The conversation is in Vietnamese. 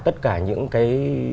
tất cả những cái